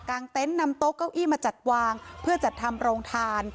เต็นต์นำโต๊ะเก้าอี้มาจัดวางเพื่อจัดทำโรงทาน